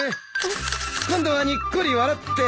今度はにっこり笑って。